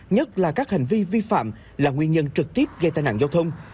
nhất là các hành vi vi phạm là nguyên nhân trực tiếp gây tai nạn giao thông